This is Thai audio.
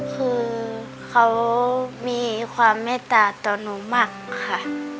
คือเขามีความเมตตาต่อหนูมากค่ะ